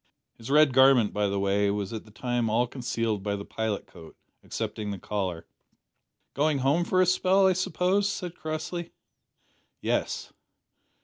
His red garment, by the way, was at the time all concealed by the pilot coat, excepting the collar. "Going home for a spell, I suppose?" said Crossley. "Yes."